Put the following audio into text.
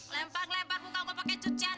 lempar lempar muka gue pakai cucian